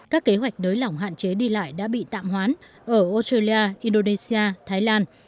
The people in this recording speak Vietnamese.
các kế hoạch nới lỏng hạn chế đi lại đã bị tạm hoán ở australia indonesia thái lan